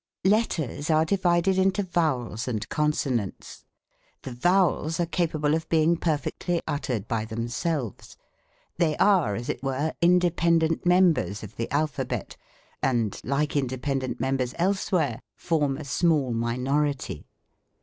Letters are divided into Vowels and Consonants. The vowels are capable of being perfectly uttered by themselves. They are, as it were, independent mem bers of the Alphabet, and like independent members elsewhere, form a small minority.